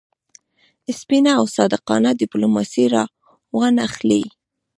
سپینه او صادقانه ډیپلوماسي را وانه خلي.